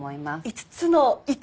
五つの糸！